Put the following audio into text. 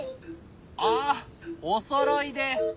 あっおそろいで！